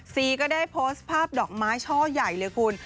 ซีก็ได้โพสต์ภาพดอกไม้ช่อใหญ่เลยคุณ